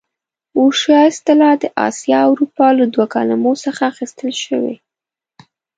اوریشیا اصطلاح د اسیا او اروپا له دوو کلمو څخه اخیستل شوې.